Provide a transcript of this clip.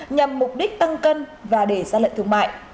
nhằm mục đích tăng cân và để ra lệnh thương mại